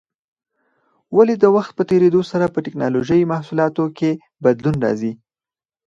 ولې د وخت په تېرېدو سره په ټېکنالوجۍ محصولاتو کې بدلون راځي؟